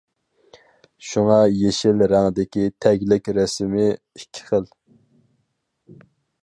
شۇڭا يېشىل رەڭدىكى تەگلىك رەسىمى ئىككى خىل.